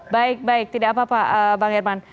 baik baik tidak apa apa bang herman